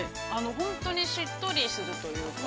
ほんとにしっとりするというか。